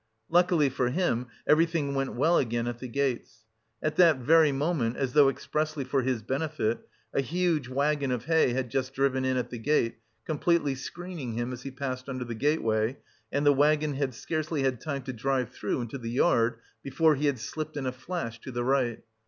Luckily for him, everything went well again at the gates. At that very moment, as though expressly for his benefit, a huge waggon of hay had just driven in at the gate, completely screening him as he passed under the gateway, and the waggon had scarcely had time to drive through into the yard, before he had slipped in a flash to the right.